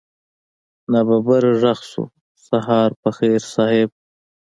ناببره غږ شو سهار په خير صيب.